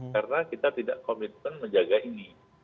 karena kita tidak komitmen menjaga ini